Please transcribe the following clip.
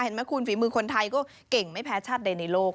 เห็นไหมคุณฝีมือคนไทยก็เก่งไม่แพ้ชาติใดในโลก